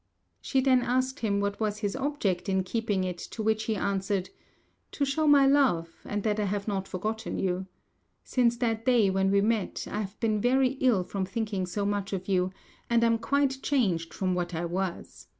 She then asked him what was his object in keeping it, to which he answered, "To show my love, and that I have not forgotten you. Since that day when we met, I have been very ill from thinking so much of you, and am quite changed from what I was.